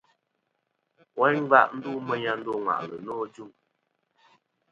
Woyn ngva ndu meyn a ndo ŋwà'lɨ nô ajuŋ.